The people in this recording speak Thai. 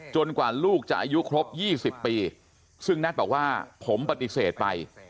กว่าลูกจะอายุครบ๒๐ปีซึ่งแน็ตบอกว่าผมปฏิเสธไป